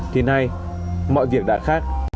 thì nay mọi việc đã khác